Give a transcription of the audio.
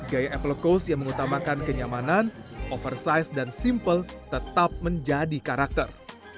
gaya apple coast yang mengutamakan kenyamanan oversize dan simple tetap menjadi karakter